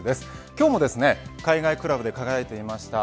今日も海外クラブで輝いていました